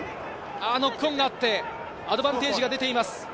ノックオンがあって、アドバンテージが出ています。